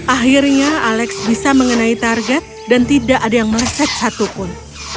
akhirnya alex bisa mengenai target dan tidak ada yang meleset satupun